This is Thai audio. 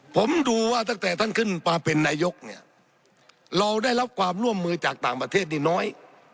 ผมดูว่าตั้งแต่ท่านขึ้นมาเป็นนายกเนี่ยเราได้รับความร่วมมือจากต่างประเทศนี่น้อย